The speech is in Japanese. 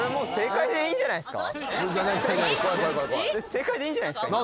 正解でいいんじゃないですか？